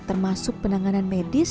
termasuk penanganan medis dari puskul